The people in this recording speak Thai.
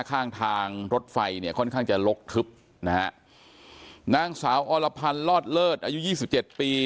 ข้างทางรถไฟเนี่ยค่อนข้างจะลกทึบนะฮะนางสาวอรพันธ์ลอดเลิศอายุยี่สิบเจ็ดปี